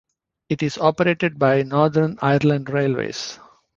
It is operated by Northern Ireland Railways.